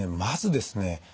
まずですね